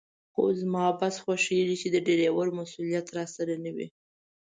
خو زما بس خوښېږي چې د ډریور مسوولیت راسره نه وي.